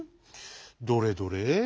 どれどれ」。